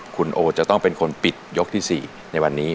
คุณโอจะต้องเป็นคนปิดยกที่๔ในวันนี้